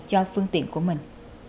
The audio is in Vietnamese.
cho phương tiện của mình